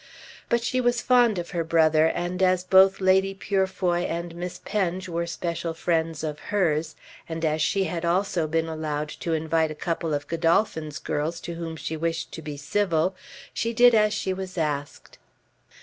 But she was fond of her brother and as both Lady Purefoy and Miss Penge were special friends of hers, and as she had also been allowed to invite a couple of Godolphin's girls to whom she wished to be civil, she did as she was asked.